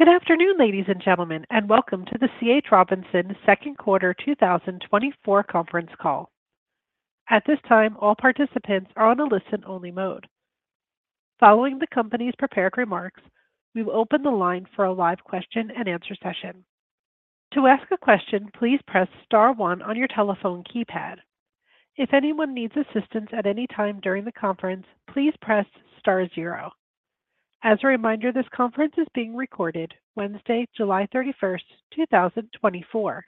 Good afternoon, ladies and gentlemen, and welcome to the C.H. Robinson Second Quarter 2024 conference call. At this time, all participants are on a listen-only mode. Following the company's prepared remarks, we will open the line for a live question-and-answer session. To ask a question, please press star one on your telephone keypad. If anyone needs assistance at any time during the conference, please press star zero. As a reminder, this conference is being recorded Wednesday, July 31st, 2024.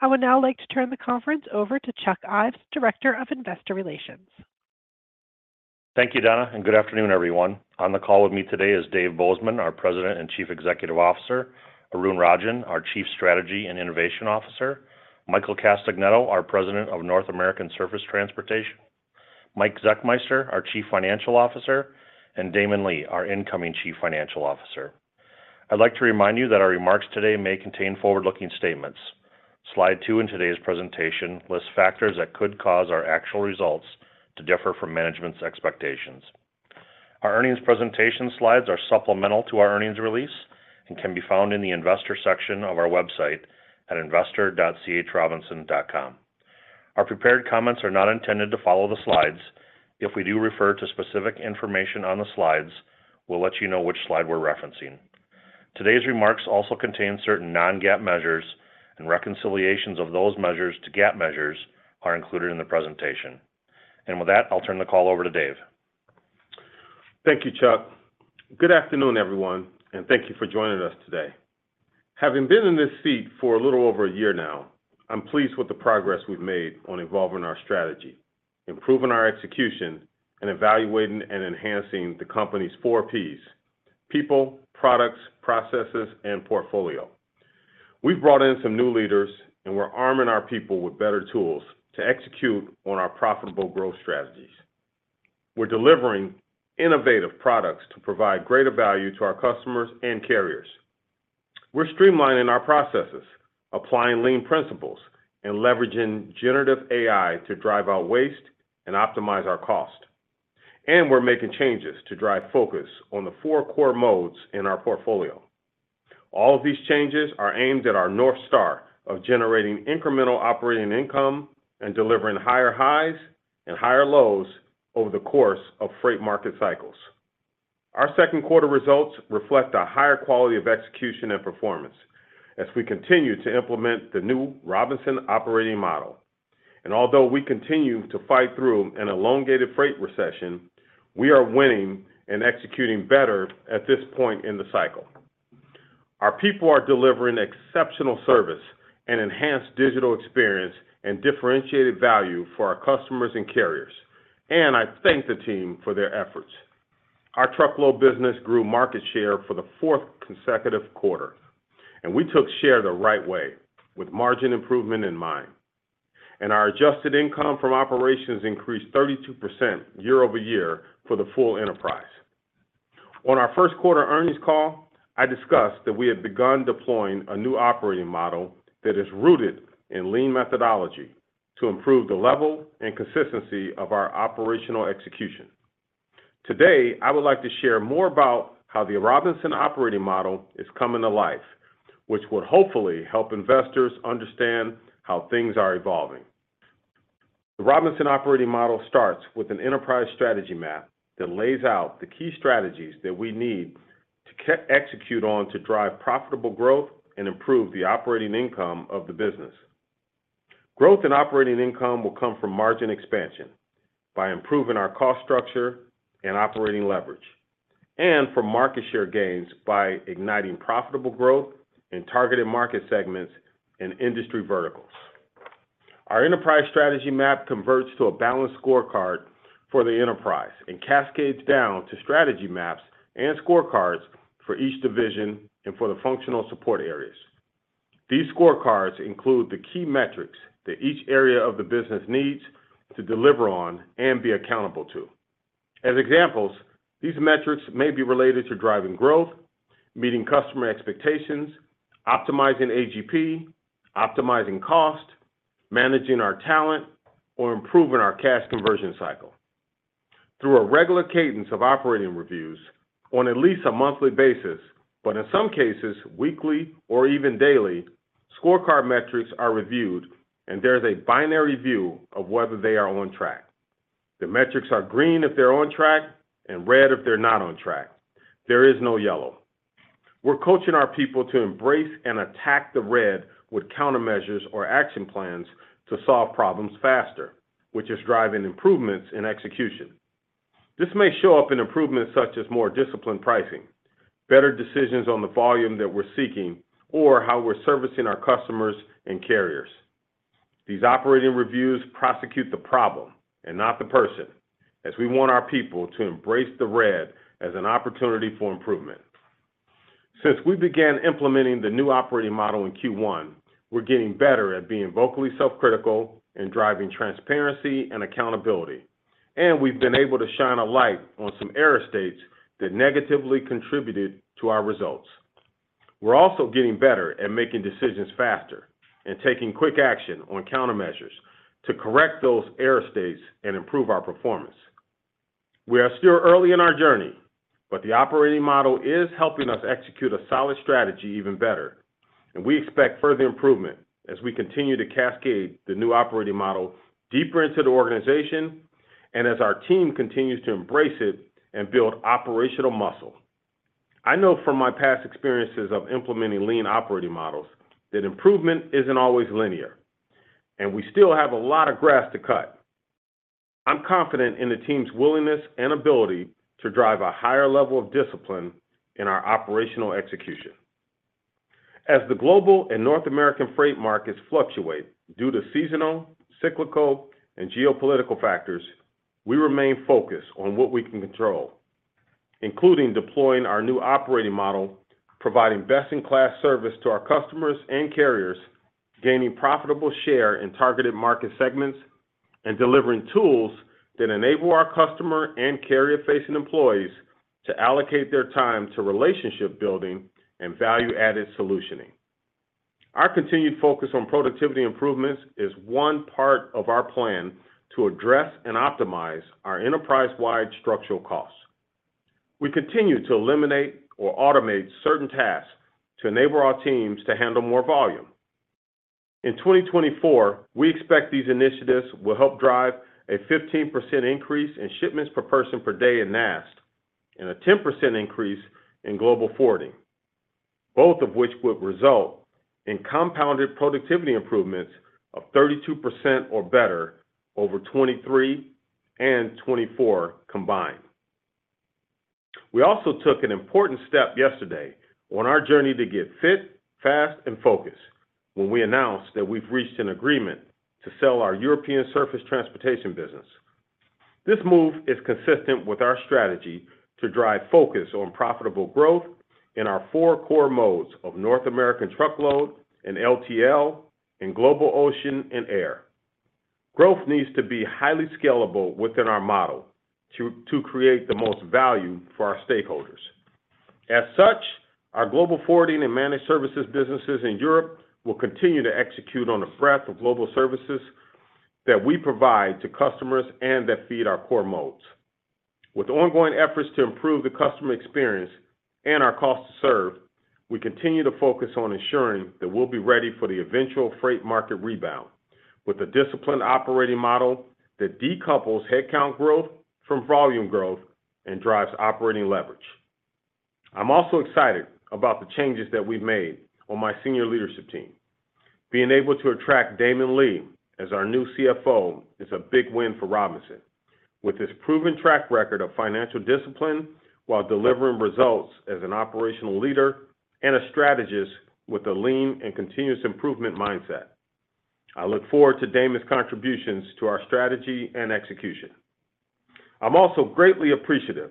I would now like to turn the conference over to Chuck Ives, Director of Investor Relations. Thank you, Donna, and good afternoon, everyone. On the call with me today is Dave Bozeman, our President and Chief Executive Officer, Arun Rajan, our Chief Strategy and Innovation Officer, Michael Castagnetto, our President of North American Surface Transportation, Mike Zechmeister, our Chief Financial Officer, and Damon Lee, our Incoming Chief Financial Officer. I'd like to remind you that our remarks today may contain forward-looking statements. Slide two in today's presentation lists factors that could cause our actual results to differ from management's expectations. Our earnings presentation slides are supplemental to our earnings release and can be found in the Investor section of our website at investor.chrobinson.com. Our prepared comments are not intended to follow the slides. If we do refer to specific information on the slides, we'll let you know which slide we're referencing. Today's remarks also contain certain non-GAAP measures, and reconciliations of those measures to GAAP measures are included in the presentation. With that, I'll turn the call over to Dave. Thank you, Chuck. Good afternoon, everyone, and thank you for joining us today. Having been in this seat for a little over a year now, I'm pleased with the progress we've made on evolving our strategy, improving our execution, and evaluating and enhancing the company's four P's: People, Products, Processes, and Portfolio. We've brought in some new leaders, and we're arming our people with better tools to execute on our profitable growth strategies. We're delivering innovative products to provide greater value to our customers and carriers. We're streamlining our processes, applying lean principles, and leveraging generative AI to drive out waste and optimize our cost. We're making changes to drive focus on the four core modes in our portfolio. All of these changes are aimed at our North Star of generating incremental operating income and delivering higher highs and higher lows over the course of freight market cycles. Our second-quarter results reflect a higher quality of execution and performance as we continue to implement the new Robinson operating model. Although we continue to fight through an elongated freight recession, we are winning and executing better at this point in the cycle. Our people are delivering exceptional service and enhanced digital experience and differentiated value for our customers and carriers. I thank the team for their efforts. Our truckload business grew market share for the fourth consecutive quarter, and we took share the right way with margin improvement in mind. Our adjusted income from operations increased 32% year-over-year for the full enterprise. On our first quarter earnings call, I discussed that we have begun deploying a new operating model that is rooted in lean methodology to improve the level and consistency of our operational execution. Today, I would like to share more about how the Robinson operating model is coming to life, which would hopefully help investors understand how things are evolving. The Robinson operating model starts with an enterprise strategy map that lays out the key strategies that we need to execute on to drive profitable growth and improve the operating income of the business. Growth in operating income will come from margin expansion by improving our cost structure and operating leverage, and from market share gains by igniting profitable growth in targeted market segments and industry verticals. Our enterprise strategy map converts to a balanced scorecard for the enterprise and cascades down to strategy maps and scorecards for each division and for the functional support areas. These scorecards include the key metrics that each area of the business needs to deliver on and be accountable to. As examples, these metrics may be related to driving growth, meeting customer expectations, optimizing AGP, optimizing cost, managing our talent, or improving our cash conversion cycle. Through a regular cadence of operating reviews on at least a monthly basis, but in some cases weekly or even daily, scorecard metrics are reviewed, and there's a binary view of whether they are on track. The metrics are green if they're on track and red if they're not on track. There is no yellow. We're coaching our people to embrace and attack the red with countermeasures or action plans to solve problems faster, which is driving improvements in execution. This may show up in improvements such as more disciplined pricing, better decisions on the volume that we're seeking, or how we're servicing our customers and carriers. These operating reviews prosecute the problem and not the person, as we want our people to embrace the red as an opportunity for improvement. Since we began implementing the new operating model in Q1, we're getting better at being vocally self-critical and driving transparency and accountability. We've been able to shine a light on some error states that negatively contributed to our results. We're also getting better at making decisions faster and taking quick action on countermeasures to correct those error states and improve our performance. We are still early in our journey, but the operating model is helping us execute a solid strategy even better. We expect further improvement as we continue to cascade the new operating model deeper into the organization and as our team continues to embrace it and build operational muscle. I know from my past experiences of implementing lean operating models that improvement isn't always linear, and we still have a lot of grass to cut. I'm confident in the team's willingness and ability to drive a higher level of discipline in our operational execution. As the global and North American freight markets fluctuate due to seasonal, cyclical, and geopolitical factors, we remain focused on what we can control, including deploying our new operating model, providing best-in-class service to our customers and carriers, gaining profitable share in targeted market segments, and delivering tools that enable our customer and carrier-facing employees to allocate their time to relationship building and value-added solutioning. Our continued focus on productivity improvements is one part of our plan to address and optimize our enterprise-wide structural costs. We continue to eliminate or automate certain tasks to enable our teams to handle more volume. In 2024, we expect these initiatives will help drive a 15% increase in shipments per person per day in NAST and a 10% increase in Global Forwarding, both of which would result in compounded productivity improvements of 32% or better over 2023 and 2024 combined. We also took an important step yesterday on our journey to get fit, fast, and focused when we announced that we've reached an agreement to sell our European Surface Transportation business. This move is consistent with our strategy to drive focus on profitable growth in our four core modes of North American truckload and LTL, and global ocean and air. Growth needs to be highly scalable within our model to create the most value for our stakeholders. As such, our Global Forwarding and Managed Services businesses in Europe will continue to execute on the breadth of global services that we provide to customers and that feed our core modes. With ongoing efforts to improve the customer experience and our cost to serve, we continue to focus on ensuring that we'll be ready for the eventual freight market rebound with a disciplined operating model that decouples headcount growth from volume growth and drives operating leverage. I'm also excited about the changes that we've made on my senior leadership team. Being able to attract Damon Lee as our new CFO is a big win for Robinson, with his proven track record of financial discipline while delivering results as an operational leader and a strategist with a lean and continuous improvement mindset. I look forward to Damon's contributions to our strategy and execution. I'm also greatly appreciative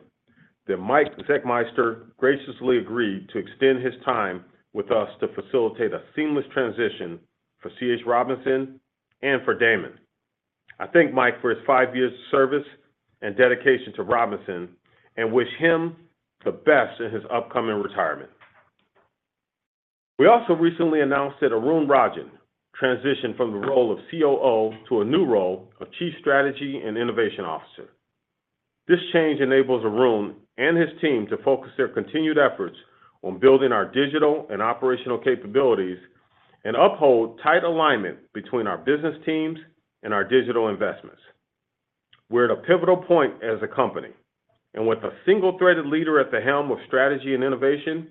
that Mike Zechmeister graciously agreed to extend his time with us to facilitate a seamless transition for C.H. Robinson and for Damon. I thank Mike for his five years of service and dedication to Robinson and wish him the best in his upcoming retirement. We also recently announced that Arun Rajan transitioned from the role of COO to a new role of Chief Strategy and Innovation Officer. This change enables Arun and his team to focus their continued efforts on building our digital and operational capabilities and uphold tight alignment between our business teams and our digital investments. We're at a pivotal point as a company, and with a single-threaded leader at the helm of strategy and innovation,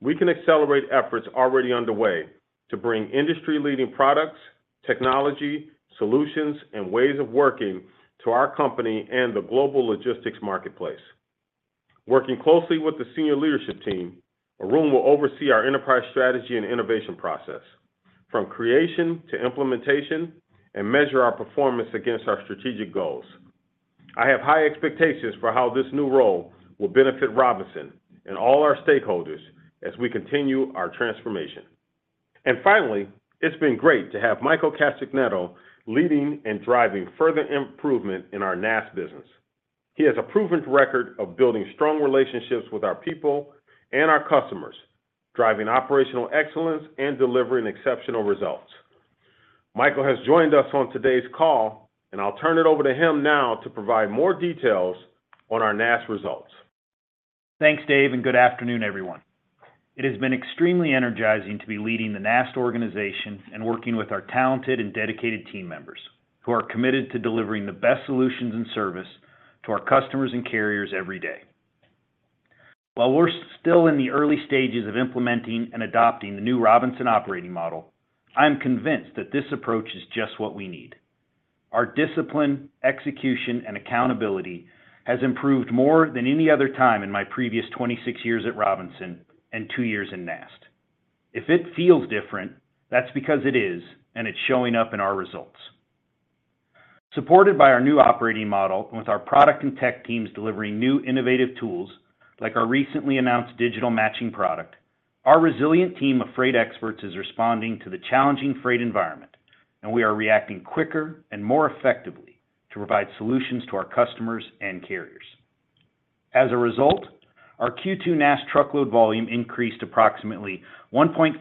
we can accelerate efforts already underway to bring industry-leading products, technology, solutions, and ways of working to our company and the global logistics marketplace. Working closely with the senior leadership team, Arun will oversee our enterprise strategy and innovation process, from creation to implementation, and measure our performance against our strategic goals. I have high expectations for how this new role will benefit Robinson and all our stakeholders as we continue our transformation. And finally, it's been great to have Michael Castagnetto, leading and driving further improvement in our NAST business. He has a proven record of building strong relationships with our people and our customers, driving operational excellence and delivering exceptional results. Michael has joined us on today's call, and I'll turn it over to him now to provide more details on our NAST results. Thanks, Dave, and good afternoon, everyone. It has been extremely energizing to be leading the NAST organization and working with our talented and dedicated team members who are committed to delivering the best solutions and service to our customers and carriers every day. While we're still in the early stages of implementing and adopting the new Robinson operating model, I'm convinced that this approach is just what we need. Our discipline, execution, and accountability has improved more than any other time in my previous 26 years at Robinson and two years in NAST. If it feels different, that's because it is, and it's showing up in our results. Supported by our new operating model and with our product and tech teams delivering new innovative tools like our recently announced digital matching product, our resilient team of freight experts is responding to the challenging freight environment, and we are reacting quicker and more effectively to provide solutions to our customers and carriers. As a result, our Q2 NAST truckload volume increased approximately 1.5%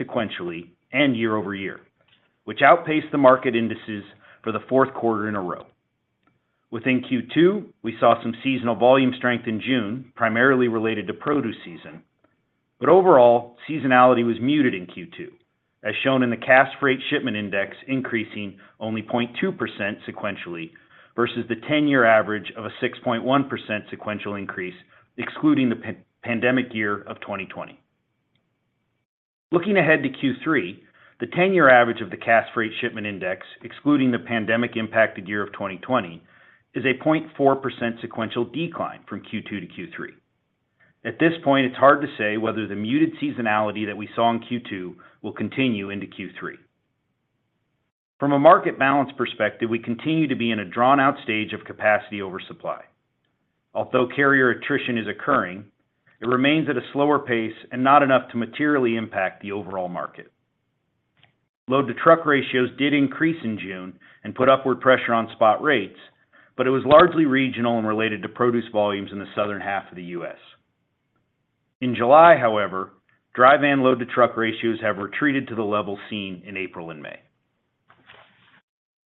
sequentially and year-over-year, which outpaced the market indices for the fourth quarter in a row. Within Q2, we saw some seasonal volume strength in June, primarily related to produce season. Overall, seasonality was muted in Q2, as shown in the Cass Freight Shipment Index increasing only 0.2% sequentially versus the 10-year average of a 6.1% sequential increase, excluding the pandemic year of 2020. Looking ahead to Q3, the 10-year average of the Cass Freight Shipment Index, excluding the pandemic-impacted year of 2020, is a 0.4% sequential decline from Q2 to Q3. At this point, it's hard to say whether the muted seasonality that we saw in Q2 will continue into Q3. From a market balance perspective, we continue to be in a drawn-out stage of capacity oversupply. Although carrier attrition is occurring, it remains at a slower pace and not enough to materially impact the overall market. Load-to-truck ratios did increase in June and put upward pressure on spot rates, but it was largely regional and related to produce volumes in the southern half of the U.S. In July, however, dry van load-to-truck ratios have retreated to the level seen in April and May.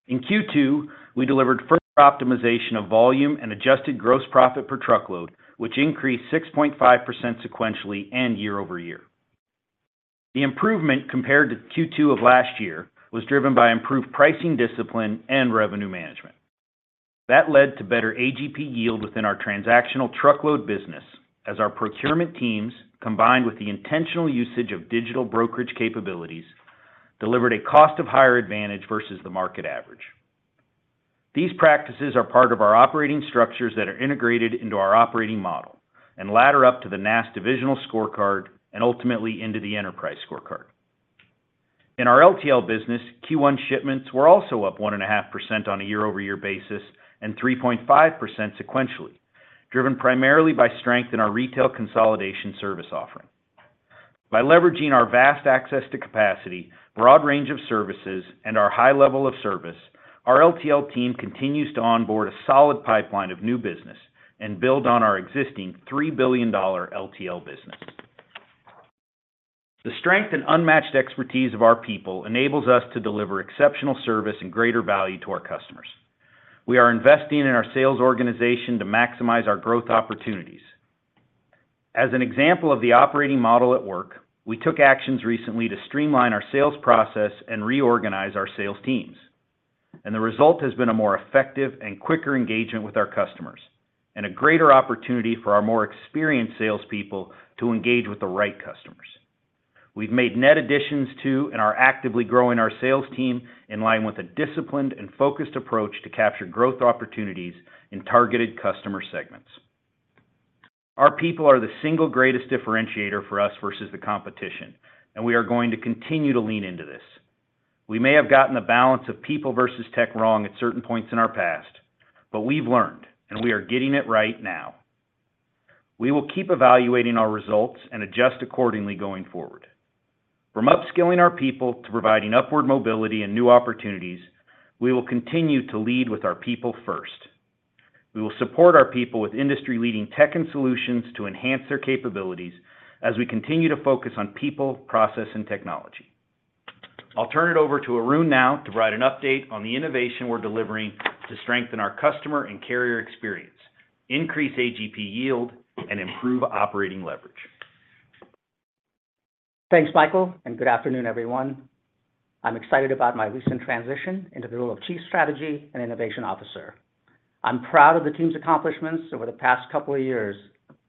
In Q2, we delivered further optimization of volume and adjusted gross profit per truckload, which increased 6.5% sequentially and year-over-year. The improvement compared to Q2 of last year was driven by improved pricing discipline and revenue management. That led to better AGP yield within our transactional truckload business, as our procurement teams, combined with the intentional usage of digital brokerage capabilities, delivered a cost-of-hire advantage versus the market average. These practices are part of our operating structures that are integrated into our operating model and ladder up to the NAST divisional scorecard and ultimately into the enterprise scorecard. In our LTL business, Q1 shipments were also up 1.5% on a year-over-year basis and 3.5% sequentially, driven primarily by strength in our retail consolidation service offering. By leveraging our vast access to capacity, broad range of services, and our high level of service, our LTL team continues to onboard a solid pipeline of new business and build on our existing $3 billion LTL business. The strength and unmatched expertise of our people enables us to deliver exceptional service and greater value to our customers. We are investing in our sales organization to maximize our growth opportunities. As an example of the operating model at work, we took actions recently to streamline our sales process and reorganize our sales teams. The result has been a more effective and quicker engagement with our customers and a greater opportunity for our more experienced salespeople to engage with the right customers. We've made net additions to and are actively growing our sales team in line with a disciplined and focused approach to capture growth opportunities in targeted customer segments. Our people are the single greatest differentiator for us versus the competition, and we are going to continue to lean into this. We may have gotten the balance of people versus tech wrong at certain points in our past, but we've learned, and we are getting it right now. We will keep evaluating our results and adjust accordingly going forward. From upskilling our people to providing upward mobility and new opportunities, we will continue to lead with our people first. We will support our people with industry-leading tech and solutions to enhance their capabilities as we continue to focus on people, process, and technology. I'll turn it over to Arun now to provide an update on the innovation we're delivering to strengthen our customer and carrier experience, increase AGP yield, and improve operating leverage. Thanks, Michael, and good afternoon, everyone. I'm excited about my recent transition into the role of Chief Strategy and Innovation Officer. I'm proud of the team's accomplishments over the past couple of years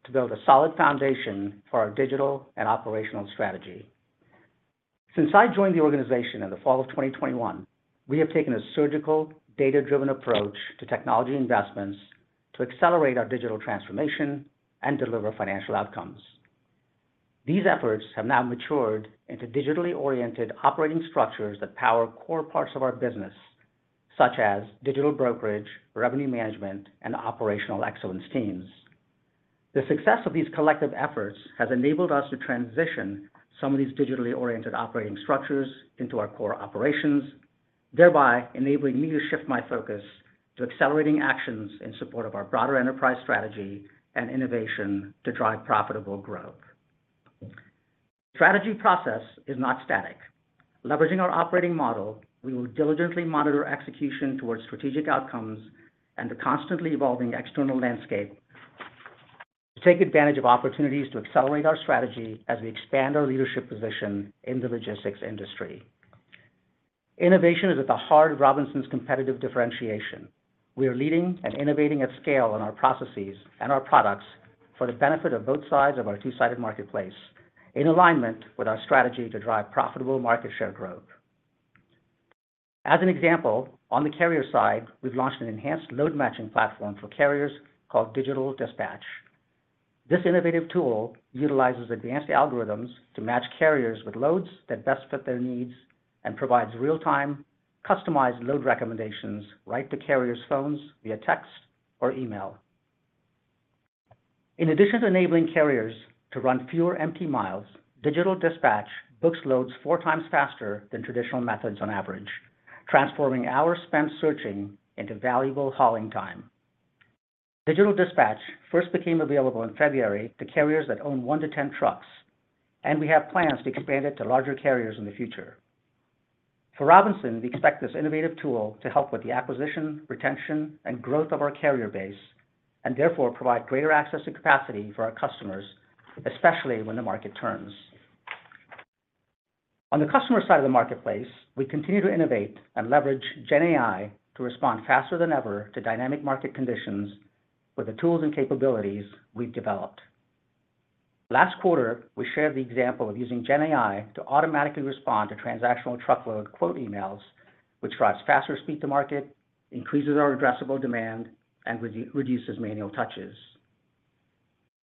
to build a solid foundation for our digital and operational strategy. Since I joined the organization in the fall of 2021, we have taken a surgical, data-driven approach to technology investments to accelerate our digital transformation and deliver financial outcomes. These efforts have now matured into digitally oriented operating structures that power core parts of our business, such as digital brokerage, revenue management, and operational excellence teams. The success of these collective efforts has enabled us to transition some of these digitally oriented operating structures into our core operations, thereby enabling me to shift my focus to accelerating actions in support of our broader enterprise strategy and innovation to drive profitable growth. The strategy process is not static. Leveraging our operating model, we will diligently monitor execution towards strategic outcomes and the constantly evolving external landscape to take advantage of opportunities to accelerate our strategy as we expand our leadership position in the logistics industry. Innovation is at the heart of C.H. Robinson's competitive differentiation. We are leading and innovating at scale in our processes and our products for the benefit of both sides of our two-sided marketplace in alignment with our strategy to drive profitable market share growth. As an example, on the carrier side, we've launched an enhanced load matching platform for carriers called Digital Dispatch. This innovative tool utilizes advanced algorithms to match carriers with loads that best fit their needs and provides real-time, customized load recommendations right to carriers' phones via text or email. In addition to enabling carriers to run fewer empty miles, Digital Dispatch books loads 4x faster than traditional methods on average, transforming hours spent searching into valuable hauling time. Digital Dispatch first became available in February to carriers that own 1-10 trucks, and we have plans to expand it to larger carriers in the future. For Robinson, we expect this innovative tool to help with the acquisition, retention, and growth of our carrier base and therefore provide greater access to capacity for our customers, especially when the market turns. On the customer side of the marketplace, we continue to innovate and leverage GenAI to respond faster than ever to dynamic market conditions with the tools and capabilities we've developed. Last quarter, we shared the example of using GenAI to automatically respond to transactional truckload quote emails, which drives faster speed to market, increases our addressable demand, and reduces manual touches.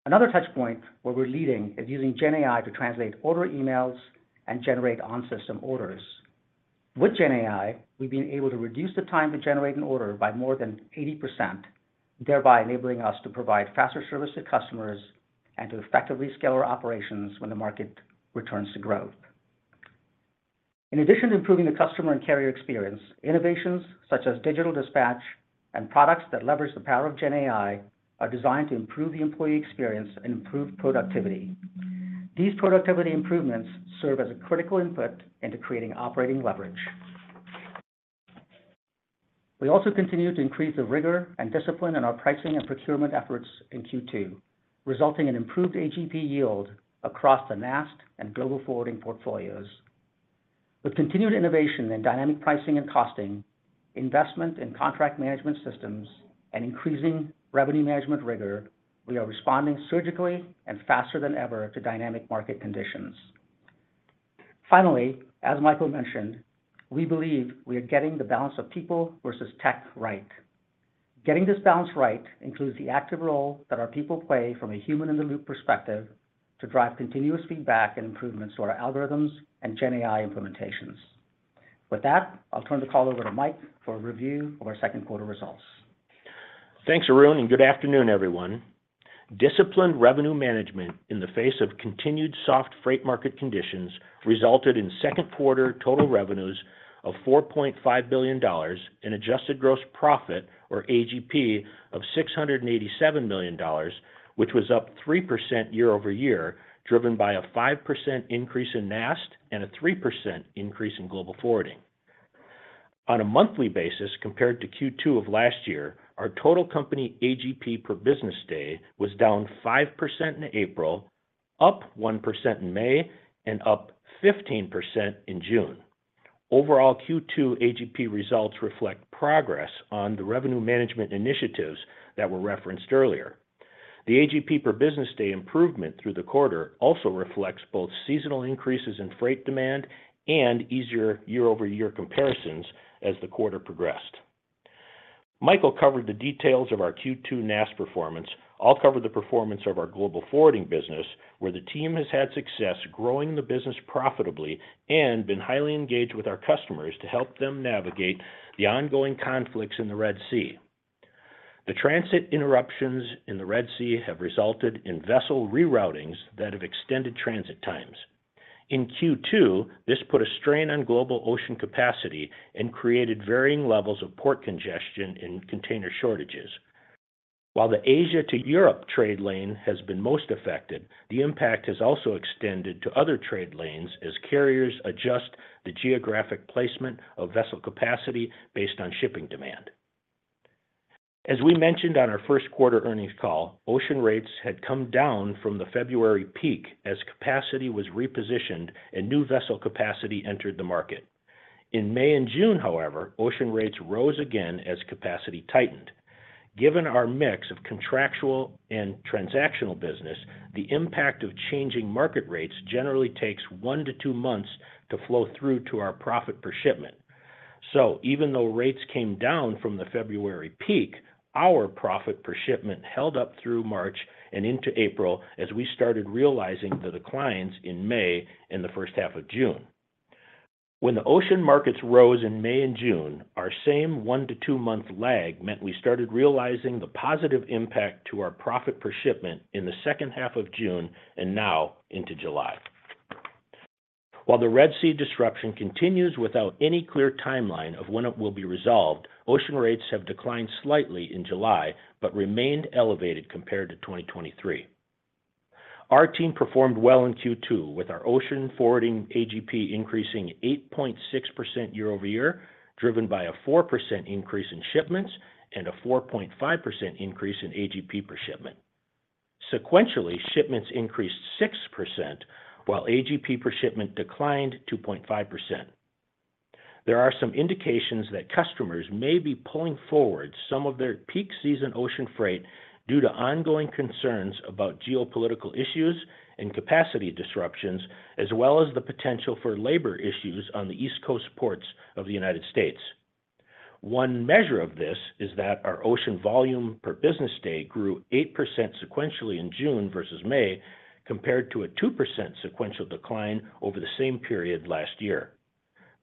Another touchpoint where we're leading is using GenAI to translate order emails and generate on-system orders. With GenAI, we've been able to reduce the time to generate an order by more than 80%, thereby enabling us to provide faster service to customers and to effectively scale our operations when the market returns to growth. In addition to improving the customer and carrier experience, innovations such as Digital Dispatch and products that leverage the power of GenAI are designed to improve the employee experience and improve productivity. These productivity improvements serve as a critical input into creating operating leverage. We also continue to increase the rigor and discipline in our pricing and procurement efforts in Q2, resulting in improved AGP yield across the NAST and Global Forwarding portfolios. With continued innovation in dynamic pricing and costing, investment in contract management systems, and increasing revenue management rigor, we are responding surgically and faster than ever to dynamic market conditions. Finally, as Michael mentioned, we believe we are getting the balance of people versus tech right. Getting this balance right includes the active role that our people play from a human-in-the-loop perspective to drive continuous feedback and improvements to our algorithms and GenAI implementations. With that, I'll turn the call over to Mike for a review of our second quarter results. Thanks, Arun, and good afternoon, everyone. Disciplined revenue management in the face of continued soft freight market conditions resulted in second-quarter total revenues of $4.5 billion and adjusted gross profit, or AGP, of $687 million, which was up 3% year-over-year, driven by a 5% increase in NAST and a 3% increase in Global Forwarding. On a monthly basis, compared to Q2 of last year, our total company AGP per business day was down 5% in April, up 1% in May, and up 15% in June. Overall Q2 AGP results reflect progress on the revenue management initiatives that were referenced earlier. The AGP per business day improvement through the quarter also reflects both seasonal increases in freight demand and easier year-over-year comparisons as the quarter progressed. Michael covered the details of our Q2 NAST performance. I'll cover the performance of our Global Forwarding business, where the team has had success growing the business profitably and been highly engaged with our customers to help them navigate the ongoing conflicts in the Red Sea. The transit interruptions in the Red Sea have resulted in vessel reroutings that have extended transit times. In Q2, this put a strain on global ocean capacity and created varying levels of port congestion and container shortages. While the Asia to Europe trade lane has been most affected, the impact has also extended to other trade lanes as carriers adjust the geographic placement of vessel capacity based on shipping demand. As we mentioned on our first quarter earnings call, ocean rates had come down from the February peak as capacity was repositioned and new vessel capacity entered the market. In May and June, however, ocean rates rose again as capacity tightened. Given our mix of contractual and transactional business, the impact of changing market rates generally takes 1-2 months to flow through to our profit per shipment. So even though rates came down from the February peak, our profit per shipment held up through March and into April as we started realizing the declines in May and the first half of June. When the ocean markets rose in May and June, our same 1-2-month lag meant we started realizing the positive impact to our profit per shipment in the second half of June and now into July. While the Red Sea disruption continues without any clear timeline of when it will be resolved, ocean rates have declined slightly in July but remained elevated compared to 2023. Our team performed well in Q2 with our ocean forwarding AGP increasing 8.6% year-over-year, driven by a 4% increase in shipments and a 4.5% increase in AGP per shipment. Sequentially, shipments increased 6%, while AGP per shipment declined 2.5%. There are some indications that customers may be pulling forward some of their peak season ocean freight due to ongoing concerns about geopolitical issues and capacity disruptions, as well as the potential for labor issues on the East Coast ports of the United States. One measure of this is that our ocean volume per business day grew 8% sequentially in June versus May, compared to a 2% sequential decline over the same period last year.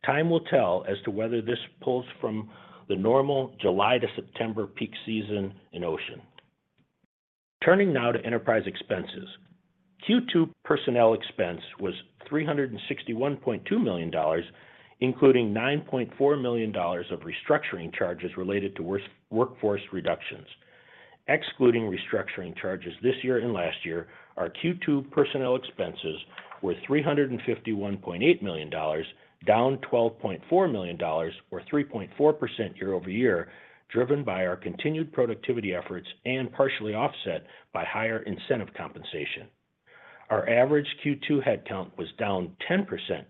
Time will tell as to whether this pulls from the normal July to September peak season in ocean. Turning now to enterprise expenses. Q2 personnel expense was $361.2 million, including $9.4 million of restructuring charges related to workforce reductions. Excluding restructuring charges this year and last year, our Q2 personnel expenses were $351.8 million, down $12.4 million, or 3.4% year-over-year, driven by our continued productivity efforts and partially offset by higher incentive compensation. Our average Q2 headcount was down 10%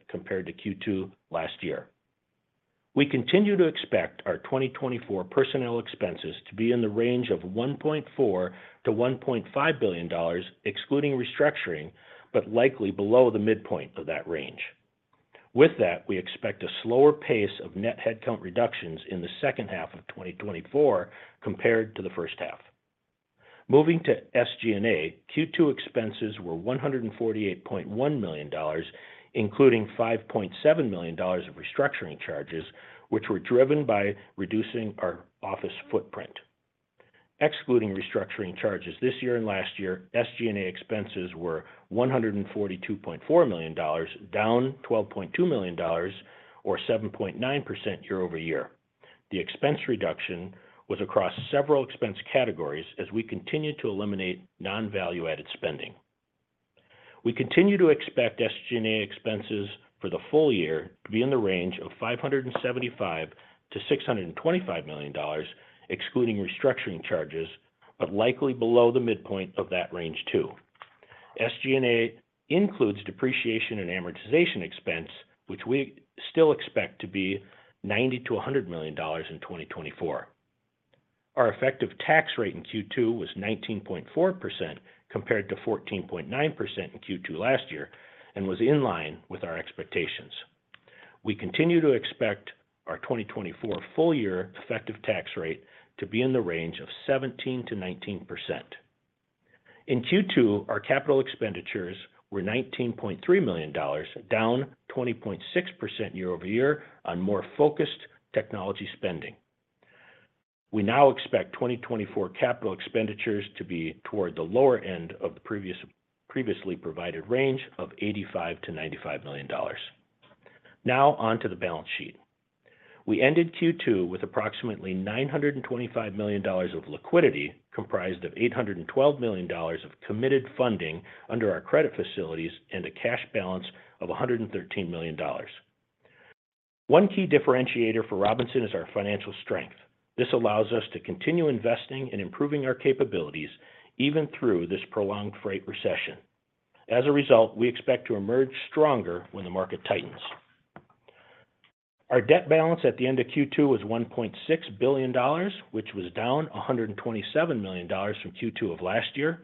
compared to Q2 last year. We continue to expect our 2024 personnel expenses to be in the range of $1.4 billion-$1.5 billion, excluding restructuring, but likely below the midpoint of that range. With that, we expect a slower pace of net headcount reductions in the second half of 2024 compared to the first half. Moving to SG&A, Q2 expenses were $148.1 million, including $5.7 million of restructuring charges, which were driven by reducing our office footprint. Excluding restructuring charges this year and last year, SG&A expenses were $142.4 million, down $12.2 million, or 7.9% year-over-year. The expense reduction was across several expense categories as we continue to eliminate non-value-added spending. We continue to expect SG&A expenses for the full year to be in the range of $575 million-$625 million, excluding restructuring charges, but likely below the midpoint of that range too. SG&A includes depreciation and amortization expense, which we still expect to be $90 million-$100 million in 2024. Our effective tax rate in Q2 was 19.4% compared to 14.9% in Q2 last year and was in line with our expectations. We continue to expect our 2024 full-year effective tax rate to be in the range of 17%-19%. In Q2, our capital expenditures were $19.3 million, down 20.6% year-over-year on more focused technology spending. We now expect 2024 capital expenditures to be toward the lower end of the previously provided range of $85 million-$95 million. Now on to the balance sheet. We ended Q2 with approximately $925 million of liquidity, comprised of $812 million of committed funding under our credit facilities and a cash balance of $113 million. One key differentiator for Robinson is our financial strength. This allows us to continue investing and improving our capabilities even through this prolonged freight recession. As a result, we expect to emerge stronger when the market tightens. Our debt balance at the end of Q2 was $1.6 billion, which was down $127 million from Q2 of last year.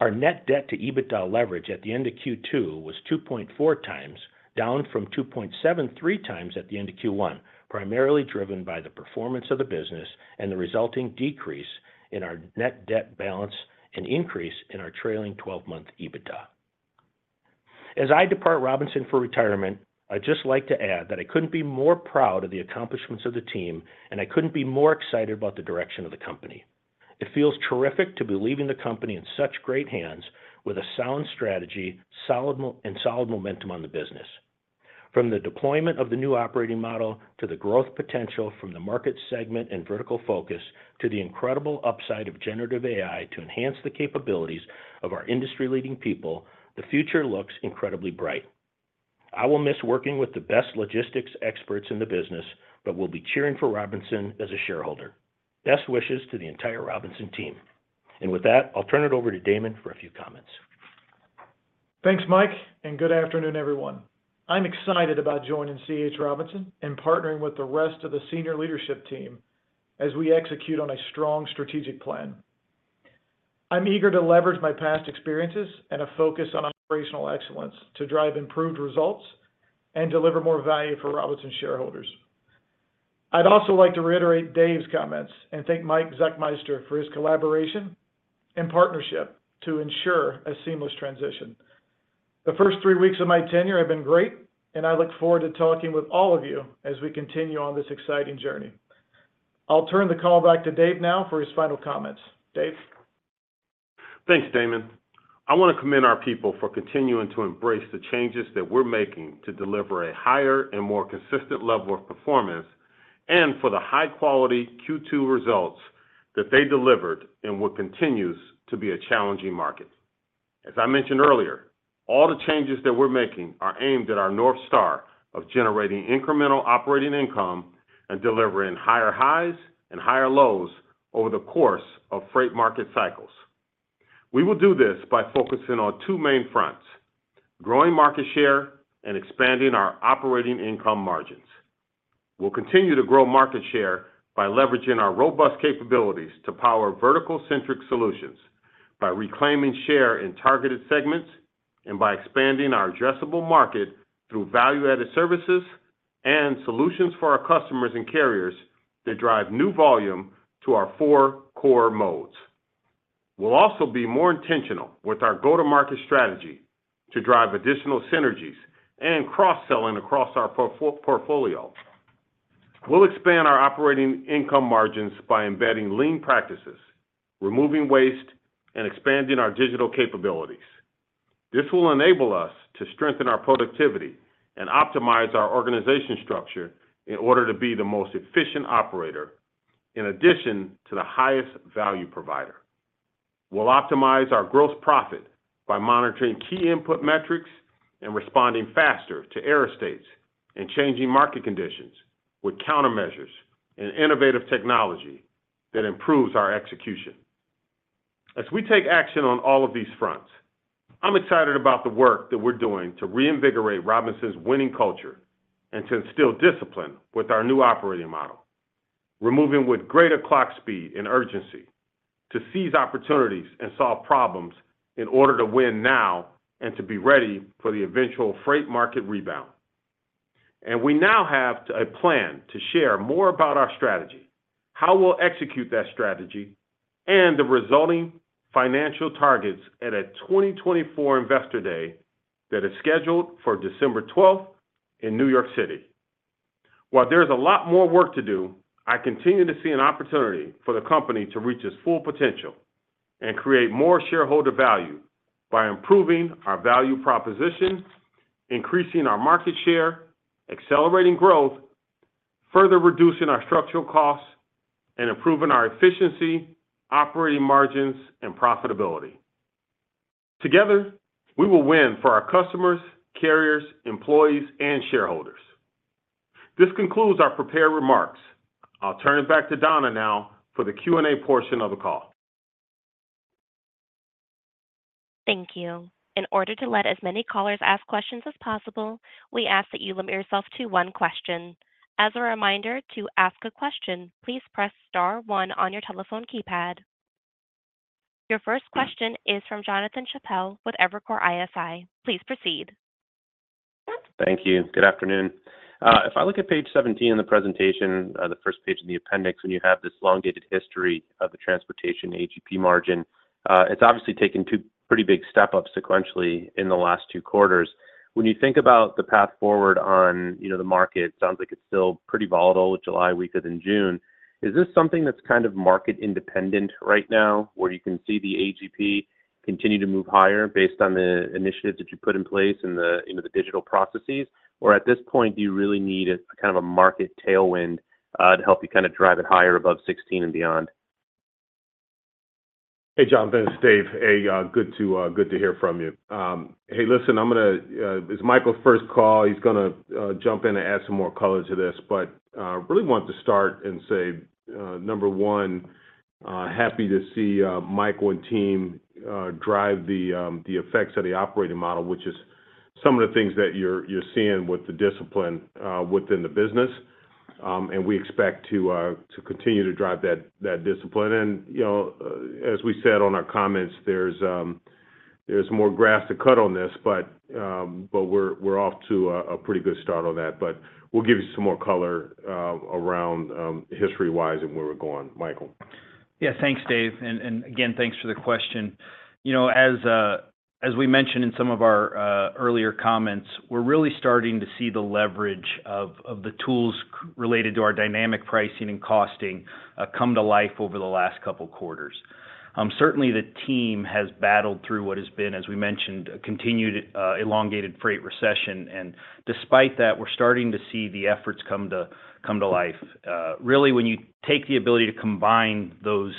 Our net debt to EBITDA leverage at the end of Q2 was 2.4x, down from 2.73x at the end of Q1, primarily driven by the performance of the business and the resulting decrease in our net debt balance and increase in our trailing 12-month EBITDA. As I depart C.H. Robinson for retirement, I'd just like to add that I couldn't be more proud of the accomplishments of the team, and I couldn't be more excited about the direction of the company. It feels terrific to be leaving the company in such great hands with a sound strategy and solid momentum on the business. From the deployment of the new operating model to the growth potential from the market segment and vertical focus to the incredible upside of generative AI to enhance the capabilities of our industry-leading people, the future looks incredibly bright. I will miss working with the best logistics experts in the business, but will be cheering for Robinson as a shareholder. Best wishes to the entire Robinson team. With that, I'll turn it over to Damon for a few comments. Thanks, Mike, and good afternoon, everyone. I'm excited about joining C.H. Robinson and partnering with the rest of the senior leadership team as we execute on a strong strategic plan. I'm eager to leverage my past experiences and a focus on operational excellence to drive improved results and deliver more value for Robinson shareholders. I'd also like to reiterate Dave's comments and thank Mike Zechmeister for his collaboration and partnership to ensure a seamless transition. The first three weeks of my tenure have been great, and I look forward to talking with all of you as we continue on this exciting journey. I'll turn the call back to Dave now for his final comments. Dave. Thanks, Damon. I want to commend our people for continuing to embrace the changes that we're making to deliver a higher and more consistent level of performance, and for the high-quality Q2 results that they delivered, and will continue to be a challenging market. As I mentioned earlier, all the changes that we're making are aimed at our North Star of generating incremental operating income and delivering higher highs and higher lows over the course of freight market cycles. We will do this by focusing on two main fronts: growing market share and expanding our operating income margins. We'll continue to grow market share by leveraging our robust capabilities to power vertical-centric solutions, by reclaiming share in targeted segments, and by expanding our addressable market through value-added services and solutions for our customers and carriers that drive new volume to our four core modes. We'll also be more intentional with our go-to-market strategy to drive additional synergies and cross-selling across our portfolio. We'll expand our operating income margins by embedding lean practices, removing waste, and expanding our digital capabilities. This will enable us to strengthen our productivity and optimize our organizational structure in order to be the most efficient operator, in addition to the highest value provider. We'll optimize our gross profit by monitoring key input metrics and responding faster to error states and changing market conditions with countermeasures and innovative technology that improve our execution. As we take action on all of these fronts, I'm excited about the work that we're doing to reinvigorate C.H. Robinson's winning culture and to instill discipline with our new operating model, moving with greater clock speed and urgency to seize opportunities and solve problems in order to win now and to be ready for the eventual freight market rebound. We now have a plan to share more about our strategy, how we'll execute that strategy, and the resulting financial targets at a 2024 Investor Day that is scheduled for December 12th in New York City. While there's a lot more work to do, I continue to see an opportunity for the company to reach its full potential and create more shareholder value by improving our value proposition, increasing our market share, accelerating growth, further reducing our structural costs, and improving our efficiency, operating margins, and profitability. Together, we will win for our customers, carriers, employees, and shareholders. This concludes our prepared remarks. I'll turn it back to Donna now for the Q&A portion of the call. Thank you. In order to let as many callers ask questions as possible, we ask that you limit yourself to one question. As a reminder, to ask a question, please press star one on your telephone keypad. Your first question is from Jonathan Chappell with Evercore ISI. Please proceed. Thank you. Good afternoon. If I look at page 17 in the presentation, the first page of the appendix, when you have this long-dated history of the transportation AGP margin, it's obviously taken two pretty big step-ups sequentially in the last two quarters. When you think about the path forward on the market, it sounds like it's still pretty volatile, with July weaker than June. Is this something that's kind of market-independent right now, where you can see the AGP continue to move higher based on the initiatives that you put in place and the digital processes? Or at this point, do you really need kind of a market tailwind to help you kind of drive it higher above 16 and beyond? Hey, Jonathan and Steve. Hey, good to hear from you. Hey, listen, I'm going to. It's Michael's first call. He's going to jump in and add some more color to this, but I really want to start and say, number one, happy to see Michael and team drive the effects of the operating model, which is some of the things that you're seeing with the discipline within the business. And we expect to continue to drive that discipline. And as we said on our comments, there's more grass to cut on this, but we're off to a pretty good start on that. But we'll give you some more color around history-wise and where we're going, Michael. Yeah, thanks, Dave. And again, thanks for the question. As we mentioned in some of our earlier comments, we're really starting to see the leverage of the tools related to our dynamic pricing and costing come to life over the last couple of quarters. Certainly, the team has battled through what has been, as we mentioned, a continued elongated freight recession. And despite that, we're starting to see the efforts come to life. Really, when you take the ability to combine those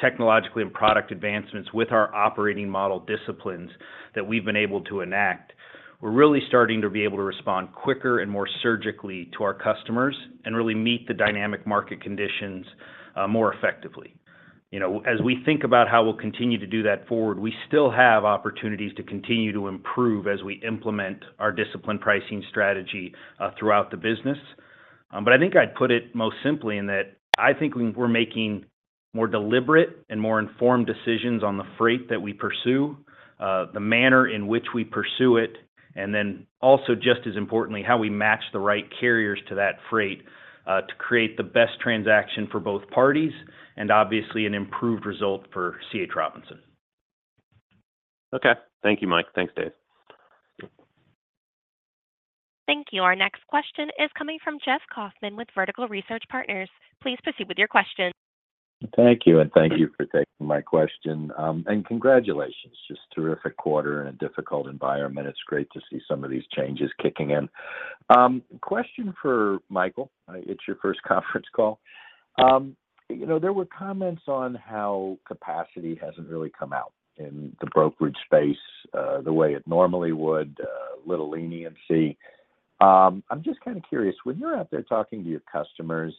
technological and product advancements with our operating model disciplines that we've been able to enact, we're really starting to be able to respond quicker and more surgically to our customers and really meet the dynamic market conditions more effectively. As we think about how we'll continue to do that forward, we still have opportunities to continue to improve as we implement our discipline pricing strategy throughout the business. But I think I'd put it most simply in that I think we're making more deliberate and more informed decisions on the freight that we pursue, the manner in which we pursue it, and then also, just as importantly, how we match the right carriers to that freight to create the best transaction for both parties and, obviously, an improved result for C.H. Robinson. Okay. Thank you, Mike. Thanks, Dave. Thank you. Our next question is coming from Jeff Kauffman with Vertical Research Partners. Please proceed with your question. Thank you. And thank you for taking my question. And congratulations. Just a terrific quarter in a difficult environment. It's great to see some of these changes kicking in. Question for Michael. It's your first conference call. There were comments on how capacity hasn't really come out in the brokerage space the way it normally would, a little leniency. I'm just kind of curious. When you're out there talking to your customers,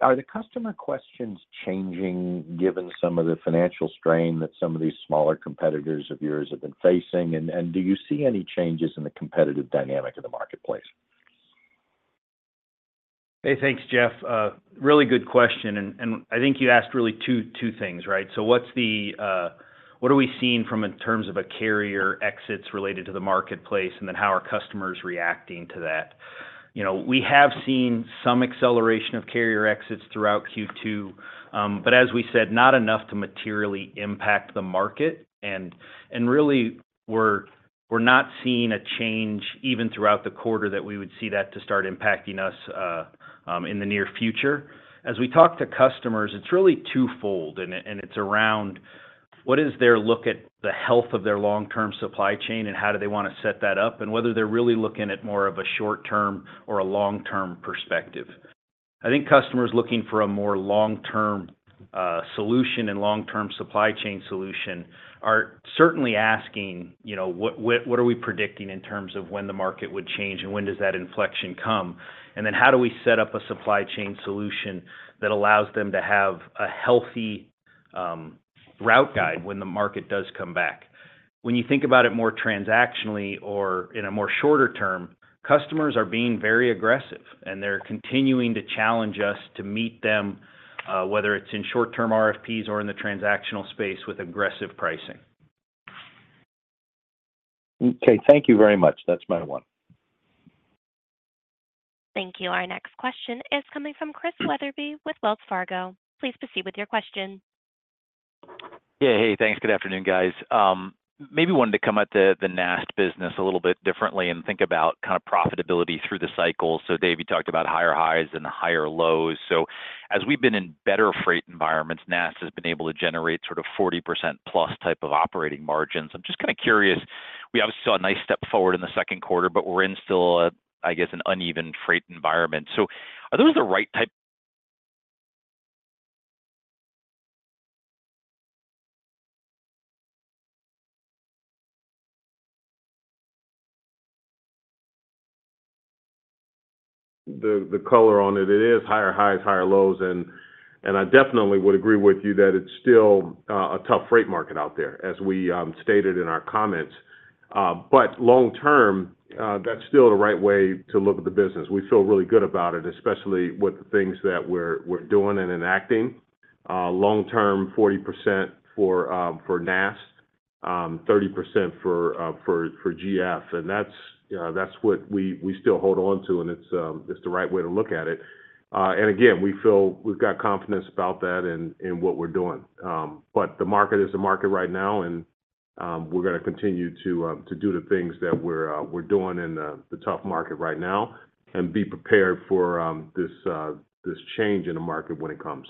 are the customers' questions changing, given some of the financial strain that some of these smaller competitors of yours have been facing? And do you see any changes in the competitive dynamic of the marketplace? Hey, thanks, Jeff. Really good question. And I think you asked really two things, right? So what are we seeing in terms of carrier exits related to the marketplace and then how are customers reacting to that? We have seen some acceleration of carrier exits throughout Q2, but as we said, not enough to materially impact the market. And really, we're not seeing a change even throughout the quarter that we would see that to start impacting us in the near future. As we talk to customers, it's really twofold, and it's around what is their look at the health of their long-term supply chain and how do they want to set that up, and whether they're really looking at more of a short-term or a long-term perspective. I think customers looking for a more long-term solution and long-term supply chain solution are certainly asking, what are we predicting in terms of when the market would change and when does that inflection come? And then how do we set up a supply chain solution that allows them to have a healthy route guide when the market does come back? When you think about it more transactionally or in a shorter term, customers are being very aggressive, and they're continuing to challenge us to meet them, whether it's in short-term RFPs or in the transactional space with aggressive pricing. Okay. Thank you very much. That's my one. Thank you. Our next question is coming from Chris Wetherbee with Wells Fargo. Please proceed with your question. Yeah. Hey, thanks. Good afternoon, guys. Maybe wanted to come at the NAST business a little bit differently and think about kind of profitability through the cycle. So Dave, you talked about higher highs and higher lows. So as we've been in better freight environments, NAST has been able to generate sort of 40%+ type of operating margins. I'm just kind of curious. We obviously saw a nice step forward in the second quarter, but we're in still, I guess, an uneven freight environment. So are those the right type? The color on it, it is higher highs, higher lows. And I definitely would agree with you that it's still a tough freight market out there, as we stated in our comments. But long-term, that's still the right way to look at the business. We feel really good about it, especially with the things that we're doing and enacting. Long-term, 40% for NAST, 30% for GF. And that's what we still hold on to, and it's the right way to look at it. And again, we feel we've got confidence about that and what we're doing. But the market is the market right now, and we're going to continue to do the things that we're doing in the tough market right now and be prepared for this change in the market when it comes.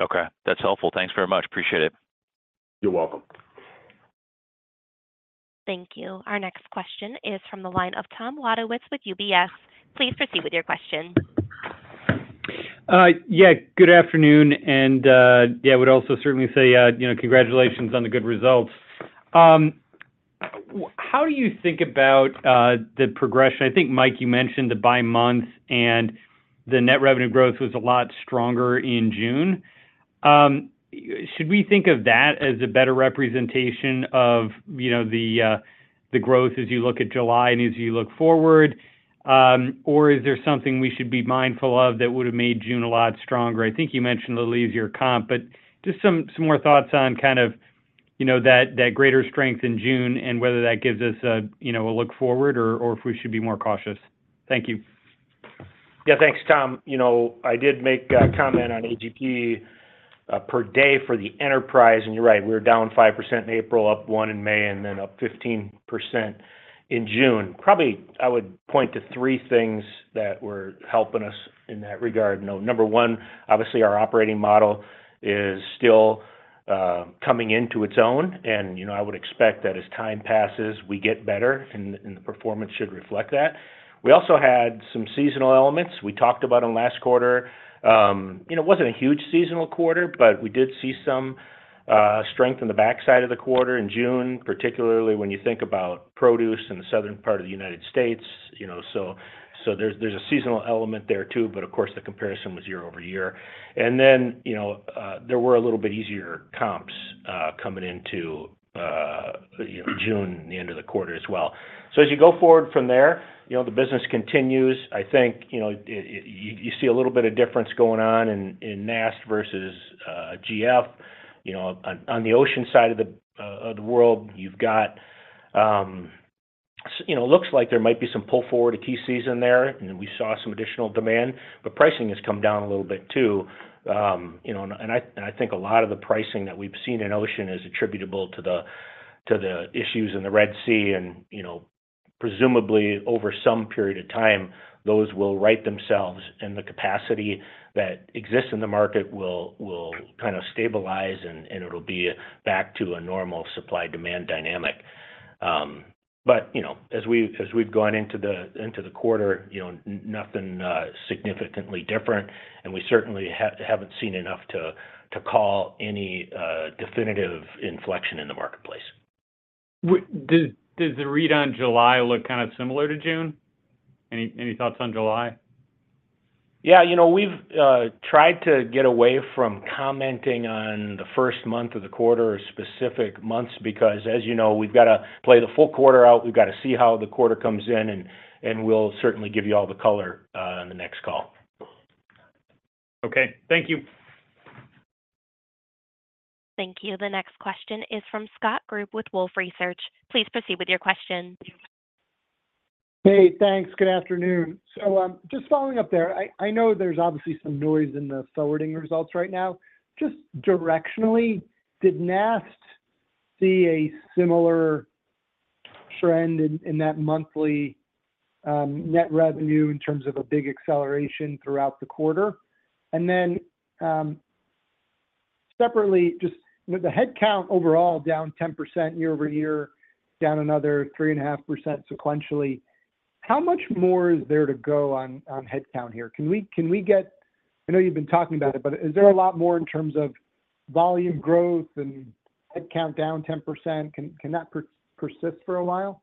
Okay. That's helpful. Thanks very much. Appreciate it. You're welcome. Thank you. Our next question is from the line of Tom Wadewitz with UBS. Please proceed with your question. Yeah. Good afternoon. Yeah, I would also certainly say congratulations on the good results. How do you think about the progression? I think, Mike, you mentioned the by month, and the net revenue growth was a lot stronger in June. Should we think of that as a better representation of the growth as you look at July and as you look forward? Or is there something we should be mindful of that would have made June a lot stronger? I think you mentioned a little easier comp, but just some more thoughts on kind of that greater strength in June and whether that gives us a look forward or if we should be more cautious. Thank you. Yeah. Thanks, Tom. I did make a comment on AGP per day for the enterprise. You're right. We were down 5% in April, up 1% in May, and then up 15% in June. Probably I would point to three things that were helping us in that regard. Number one, obviously, our operating model is still coming into its own. And I would expect that as time passes, we get better, and the performance should reflect that. We also had some seasonal elements we talked about in last quarter. It wasn't a huge seasonal quarter, but we did see some strength in the backside of the quarter in June, particularly when you think about produce in the southern part of the United States. So there's a seasonal element there too, but of course, the comparison was year-over-year. And then there were a little bit easier comps coming into June and the end of the quarter as well. So as you go forward from there, the business continues. I think you see a little bit of difference going on in NAST versus GF On the ocean side of the world, you've got it looks like there might be some pull forward at peak season there, and we saw some additional demand. But pricing has come down a little bit too. And I think a lot of the pricing that we've seen in ocean is attributable to the issues in the Red Sea. And presumably, over some period of time, those will right themselves, and the capacity that exists in the market will kind of stabilize, and it'll be back to a normal supply-demand dynamic. But as we've gone into the quarter, nothing significantly different. And we certainly haven't seen enough to call any definitive inflection in the marketplace. Does the read on July look kind of similar to June? Any thoughts on July? Yeah. We've tried to get away from commenting on the first month of the quarter or specific months because, as you know, we've got to play the full quarter out. We've got to see how the quarter comes in, and we'll certainly give you all the color on the next call. Okay. Thank you. Thank you. The next question is from Scott Group with Wolfe Research. Please proceed with your question. Hey, thanks. Good afternoon. So just following up there, I know there's obviously some noise in the forwarding results right now. Just directionally, did NAST see a similar trend in that monthly net revenue in terms of a big acceleration throughout the quarter? And then separately, just the headcount overall down 10% year-over-year, down another 3.5% sequentially. How much more is there to go on headcount here? Can we get, I know you've been talking about it, but is there a lot more in terms of volume growth and headcount down 10%? Can that persist for a while?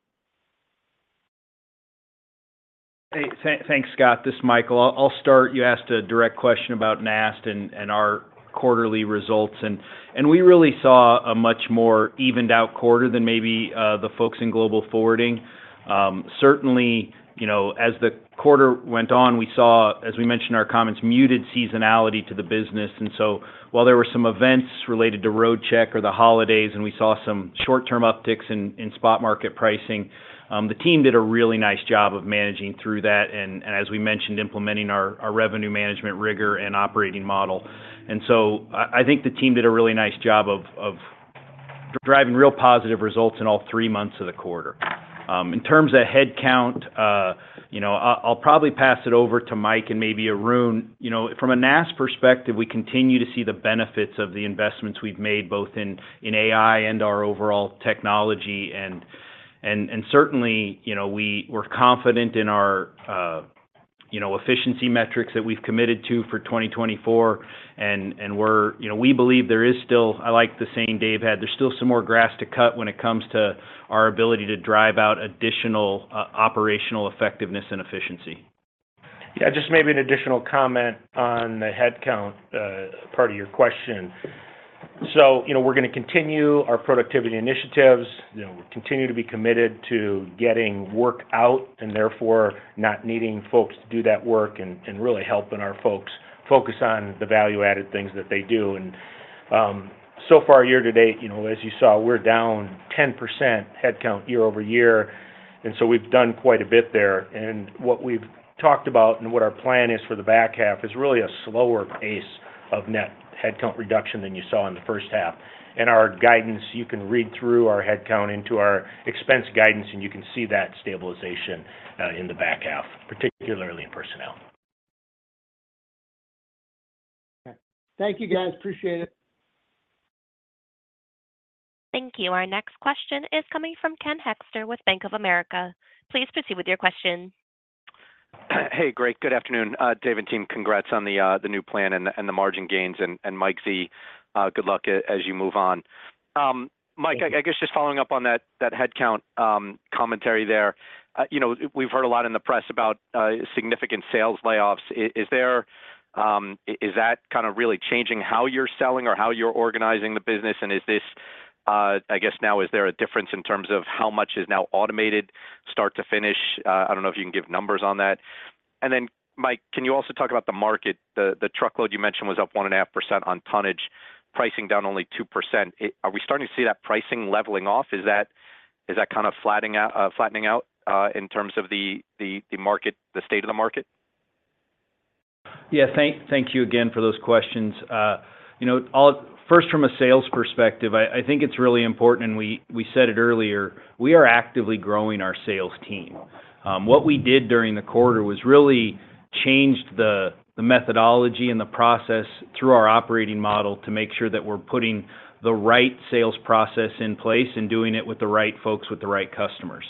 Hey, thanks, Scott. This is Michael. I'll start. You asked a direct question about NAST and our quarterly results. We really saw a much more evened-out quarter than maybe the folks in Global Forwarding. Certainly, as the quarter went on, we saw, as we mentioned in our comments, muted seasonality to the business. While there were some events related to Roadcheck or the holidays, and we saw some short-term upticks in spot market pricing, the team did a really nice job of managing through that and, as we mentioned, implementing our revenue management rigor and operating model. I think the team did a really nice job of driving real positive results in all three months of the quarter. In terms of headcount, I'll probably pass it over to Mike and maybe Arun. From a NAST perspective, we continue to see the benefits of the investments we've made both in AI and our overall technology. Certainly, we're confident in our efficiency metrics that we've committed to for 2024. We believe there is still, I like the saying Dave had, there's still some more grass to cut when it comes to our ability to drive out additional operational effectiveness and efficiency. Yeah. Just maybe an additional comment on the headcount part of your question. We're going to continue our productivity initiatives. We'll continue to be committed to getting work out and therefore not needing folks to do that work and really helping our folks focus on the value-added things that they do. So far, year to date, as you saw, we're down 10% headcount year-over-year. So we've done quite a bit there. What we've talked about and what our plan is for the back half is really a slower pace of net headcount reduction than you saw in the first half. Our guidance, you can read through our headcount into our expense guidance, and you can see that stabilization in the back half, particularly in personnel. Okay. Thank you, guys. Appreciate it. Thank you. Our next question is coming from Ken Hoexter with Bank of America. Please proceed with your question. Hey, guys. Good afternoon. Dave and team, congrats on the new plan and the margin gains. And Mike Z, good luck as you move on. Mike, I guess just following up on that headcount commentary there, we've heard a lot in the press about significant sales layoffs. Is that kind of really changing how you're selling or how you're organizing the business? And I guess now, is there a difference in terms of how much is now automated start to finish? I don't know if you can give numbers on that. And then, Mike, can you also talk about the market? The truckload you mentioned was up 1.5% on tonnage, pricing down only 2%. Are we starting to see that pricing leveling off? Is that kind of flattening out in terms of the market, the state of the market? Yeah. Thank you again for those questions. First, from a sales perspective, I think it's really important, and we said it earlier, we are actively growing our sales team. What we did during the quarter was really change the methodology and the process through our operating model to make sure that we're putting the right sales process in place and doing it with the right folks, with the right customers.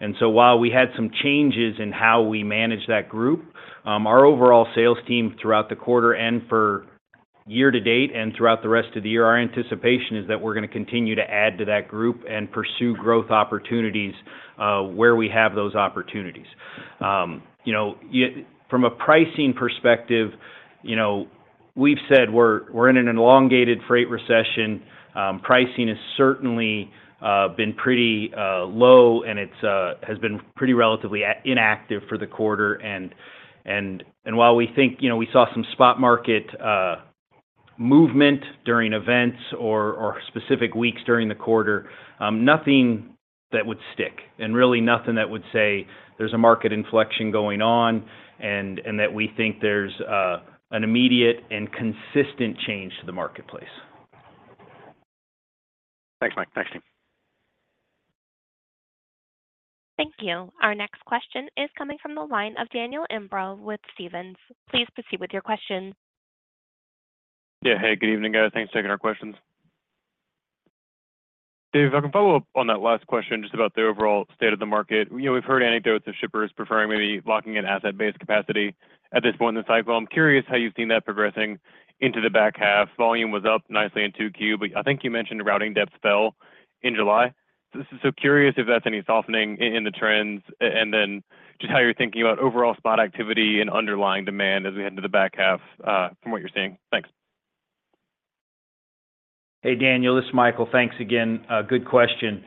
And so while we had some changes in how we manage that group, our overall sales team throughout the quarter and for year to date and throughout the rest of the year, our anticipation is that we're going to continue to add to that group and pursue growth opportunities where we have those opportunities. From a pricing perspective, we've said we're in an elongated freight recession. Pricing has certainly been pretty low, and it has been pretty relatively inactive for the quarter. While we think we saw some spot market movement during events or specific weeks during the quarter, nothing that would stick and really nothing that would say there's a market inflection going on and that we think there's an immediate and consistent change to the marketplace. Thanks, Mike. Thanks, team. Thank you. Our next question is coming from the line of Daniel Imbrogno with Stephens. Please proceed with your question. Yeah. Hey, good evening, guys. Thanks for taking our questions. Dave, if I can follow up on that last question just about the overall state of the market. We've heard anecdotes of shippers preferring maybe locking in asset-based capacity at this point in the cycle. I'm curious how you've seen that progressing into the back half? Volume was up nicely in Q2, but I think you mentioned routing depth fell in July. So, curious if that's any softening in the trends, and then just how you're thinking about overall spot activity and underlying demand as we head into the back half from what you're seeing? Thanks. Hey, Daniel. This is Michael. Thanks again. Good question.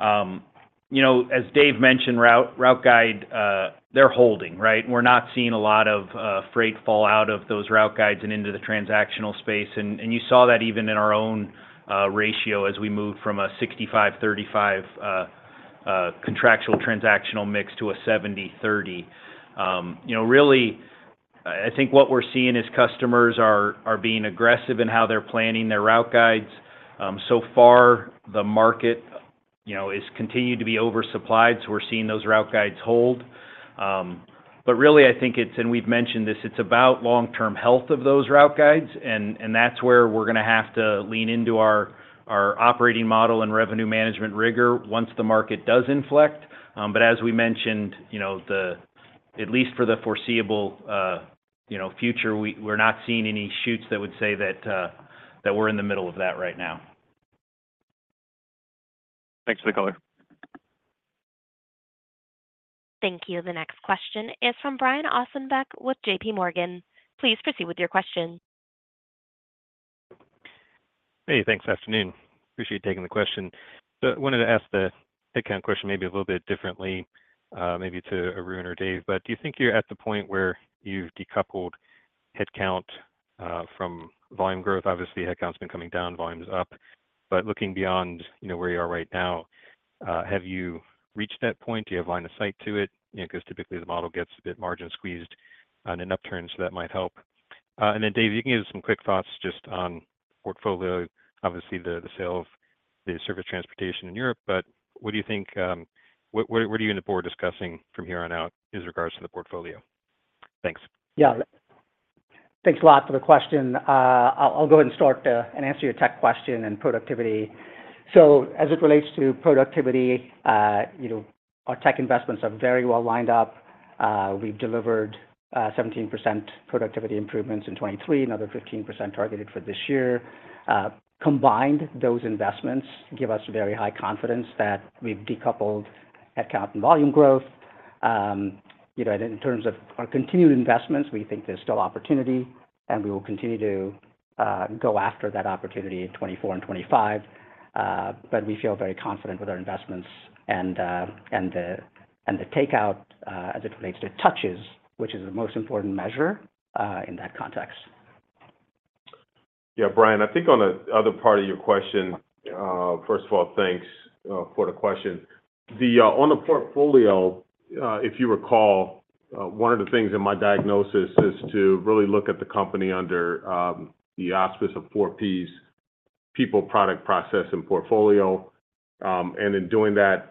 As Dave mentioned, route guides, they're holding, right? We're not seeing a lot of freight fall out of those route guides and into the transactional space. And you saw that even in our own ratio as we moved from a 65/35 contractual transactional mix to a 70/30. Really, I think what we're seeing is customers are being aggressive in how they're planning their route guides. So far, the market has continued to be oversupplied, so we're seeing those route guides hold. But really, I think it's, and we've mentioned this, it's about long-term health of those route guides. And that's where we're going to have to lean into our operating model and revenue management rigor once the market does inflect. But as we mentioned, at least for the foreseeable future, we're not seeing any signs that would say that we're in the middle of that right now. Thanks for the color. Thank you. The next question is from Brian Ossenbeck with JPMorgan. Please proceed with your question. Hey, thanks. Afternoon. Appreciate taking the question. I wanted to ask the headcount question maybe a little bit differently, maybe to Arun or Dave. But do you think you're at the point where you've decoupled headcount from volume growth? Obviously, headcount's been coming down, volume's up. But looking beyond where you are right now, have you reached that point? Do you have line of sight to it? Because typically, the model gets a bit margin squeezed on an upturn, so that might help. And then, Dave, you can give some quick thoughts just on portfolio. Obviously, the sale of the surface transportation in Europe. But what do you think? What are you and the board discussing from here on out as regards to the portfolio? Thanks. Yeah. Thanks a lot for the question. I'll go ahead and start and answer your tech question and productivity. So as it relates to productivity, our tech investments are very well lined up. We've delivered 17% productivity improvements in 2023, another 15% targeted for this year. Combined, those investments give us very high confidence that we've decoupled headcount and volume growth. And in terms of our continued investments, we think there's still opportunity, and we will continue to go after that opportunity in 2024 and 2025. But we feel very confident with our investments and the takeout as it relates to touches, which is the most important measure in that context. Yeah. Brian, I think on the other part of your question, first of all, thanks for the question. On the portfolio, if you recall, one of the things in my diagnosis is to really look at the company under the auspices of four Ps, People, Product, Process, and Portfolio. And in doing that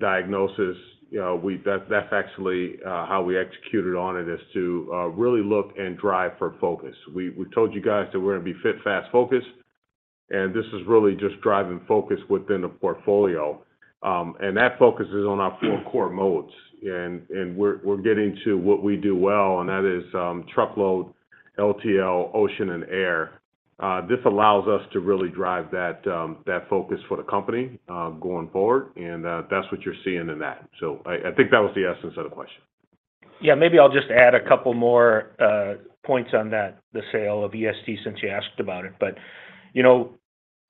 diagnosis, that's actually how we executed on it is to really look and drive for focus. We've told you guys that we're going to be fit, fast, focused. And this is really just driving focus within the portfolio. And that focus is on our four core modes. And we're getting to what we do well, and that is truckload, LTL, ocean, and air. This allows us to really drive that focus for the company going forward. And that's what you're seeing in that. So I think that was the essence of the question. Yeah. Maybe I'll just add a couple more points on that, the sale of EST since you asked about it. But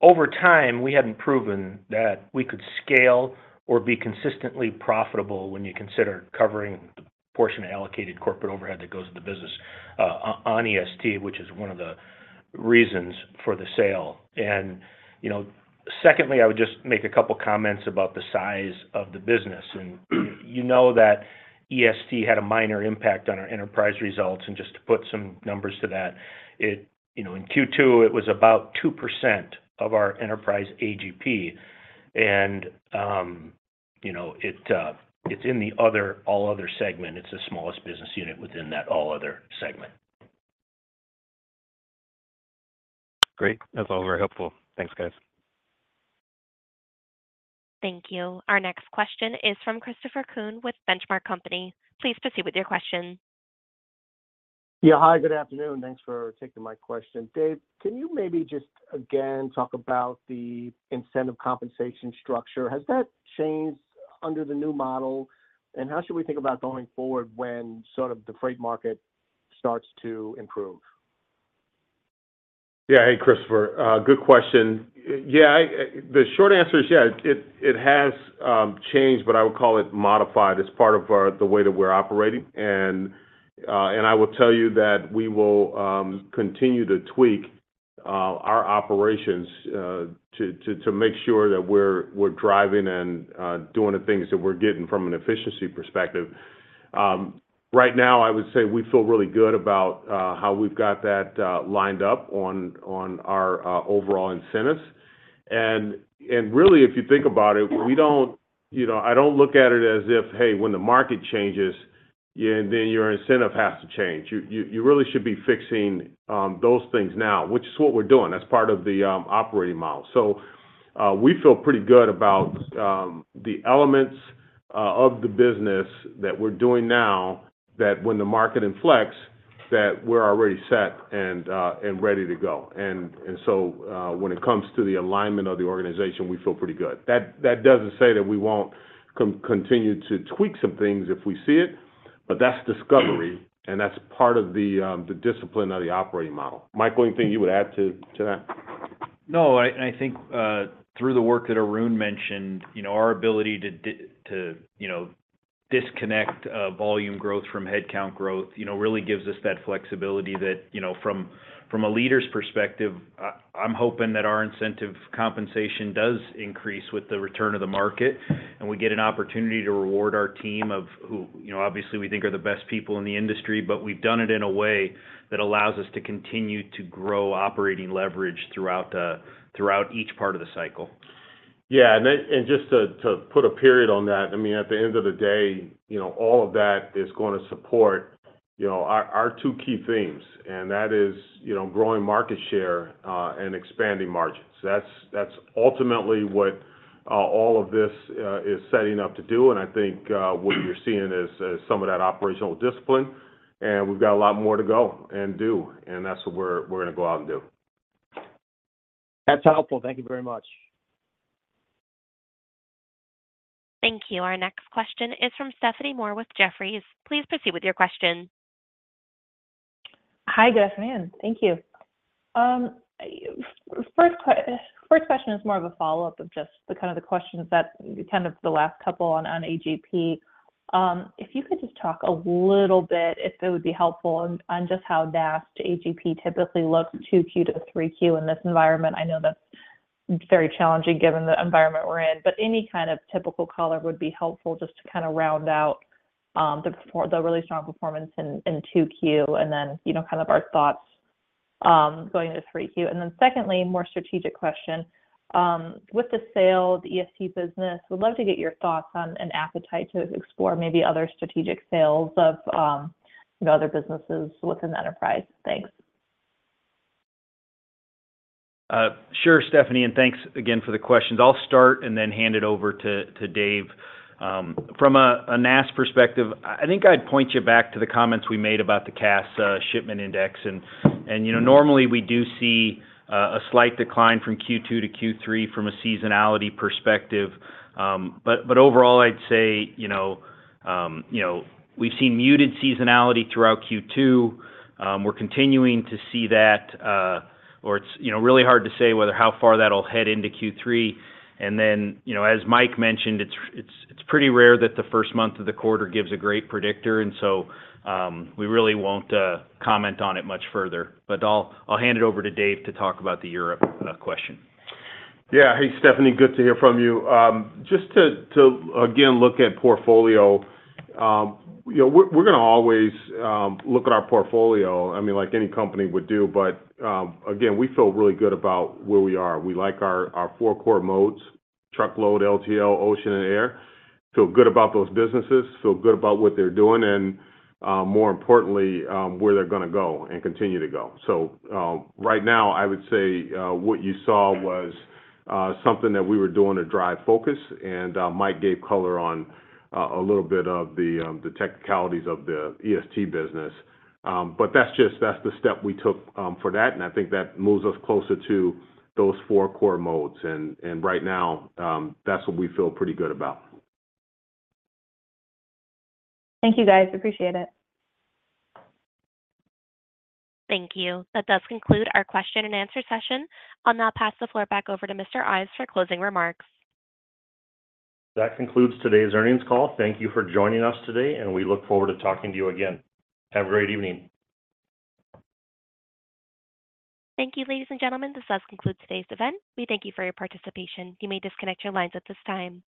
over time, we hadn't proven that we could scale or be consistently profitable when you consider covering the portion of allocated corporate overhead that goes to the business on EST, which is one of the reasons for the sale. And secondly, I would just make a couple of comments about the size of the business. And you know that EST had a minor impact on our enterprise results. And just to put some numbers to that, in Q2, it was about 2% of our enterprise AGP. And it's in the All Other segment. It's the smallest business unit within that All Other segment. Great. That's all very helpful. Thanks, guys. Thank you. Our next question is from Christopher Kuhn with Benchmark Company. Please proceed with your question. Yeah. Hi, good afternoon. Thanks for taking my question. Dave, can you maybe just again talk about the incentive compensation structure? Has that changed under the new model? And how should we think about going forward when sort of the freight market starts to improve? Yeah. Hey, Christopher. Good question. Yeah. The short answer is, yeah, it has changed, but I would call it modified as part of the way that we're operating. And I will tell you that we will continue to tweak our operations to make sure that we're driving and doing the things that we're getting from an efficiency perspective. Right now, I would say we feel really good about how we've got that lined up on our overall incentives. And really, if you think about it, I don't look at it as if, hey, when the market changes, then your incentive has to change. You really should be fixing those things now, which is what we're doing. That's part of the operating model. So we feel pretty good about the elements of the business that we're doing now that when the market inflects, that we're already set and ready to go. And so when it comes to the alignment of the organization, we feel pretty good. That doesn't say that we won't continue to tweak some things if we see it, but that's discovery, and that's part of the discipline of the operating model. Michael, anything you would add to that? No. I think through the work that Arun mentioned, our ability to disconnect volume growth from headcount growth really gives us that flexibility that from a leader's perspective, I'm hoping that our incentive compensation does increase with the return of the market, and we get an opportunity to reward our team, who, obviously, we think are the best people in the industry, but we've done it in a way that allows us to continue to grow operating leverage throughout each part of the cycle. Yeah. Just to put a period on that, I mean, at the end of the day, all of that is going to support our two key themes. That is growing market share and expanding margins. That's ultimately what all of this is setting up to do. I think what you're seeing is some of that operational discipline. We've got a lot more to go and do, and that's what we're going to go out and do. That's helpful. Thank you very much. Thank you. Our next question is from Stephanie Moore with Jefferies. Please proceed with your question. Hi, good afternoon. Thank you. First question is more of a follow-up of just kind of the questions that kind of the last couple on AGP. If you could just talk a little bit, if it would be helpful, on just how NAST AGP typically looks Q2 to Q3 in this environment. I know that's very challenging given the environment we're in. But any kind of typical color would be helpful just to kind of round out the really strong performance in Q2 and then kind of our thoughts going into Q3. And then secondly, more strategic question. With the sale, the EST business, we'd love to get your thoughts on an appetite to explore maybe other strategic sales of other businesses within the enterprise. Thanks. Sure, Stephanie. And thanks again for the questions. I'll start and then hand it over to Dave. From a NAST perspective, I think I'd point you back to the comments we made about the Cass Shipment Index. And normally, we do see a slight decline from Q2 to Q3 from a seasonality perspective. But overall, I'd say we've seen muted seasonality throughout Q2. We're continuing to see that, or it's really hard to say how far that'll head into Q3. And then, as Mike mentioned, it's pretty rare that the first month of the quarter gives a great predictor. And so we really won't comment on it much further. But I'll hand it over to Dave to talk about the Europe question. Yeah. Hey, Stephanie, good to hear from you. Just to again look at portfolio, we're going to always look at our portfolio, I mean, like any company would do. But again, we feel really good about where we are. We like our four core modes: truckload, LTL, ocean, and air. Feel good about those businesses. Feel good about what they're doing and, more importantly, where they're going to go and continue to go. So right now, I would say what you saw was something that we were doing to drive focus. And Mike gave color on a little bit of the technicalities of the EST business. But that's the step we took for that. And I think that moves us closer to those four core modes. And right now, that's what we feel pretty good about. Thank you, guys. Appreciate it. Thank you. That does conclude our question and answer session. I'll now pass the floor back over to Mr. Ives for closing remarks. That concludes today's earnings call. Thank you for joining us today, and we look forward to talking to you again. Have a great evening. Thank you, ladies and gentlemen. This does conclude today's event. We thank you for your participation. You may disconnect your lines at this time.